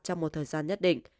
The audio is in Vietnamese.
trong một thời gian nhất định